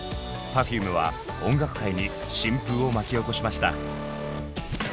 Ｐｅｒｆｕｍｅは音楽界に新風を巻き起こしました。